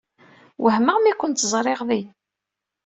Wehmeɣ mi kent-ẓriɣ din.